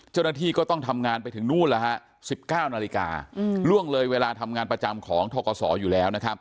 เจ้าหน้าที่ก็ต้องทำงานไปถึงนู่นแล้วฮะ๑๙นาฬิกาล่วงเลยเวลาทำงานประจำของทกศอยู่แล้วนะครับ